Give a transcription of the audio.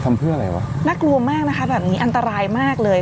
ทำเพื่ออะไรวะน่ากลัวมากนะคะแบบนี้อันตรายมากเลย